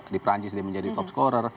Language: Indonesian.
di perancis dia menjadi top scorer